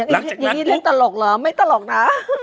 อย่างอย่างนี้เรียกตลกหรอไม่ตลกนะ